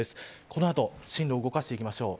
この後進路を動かしていきましょう。